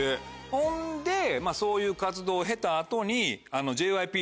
ほんでそういう活動を経た後に。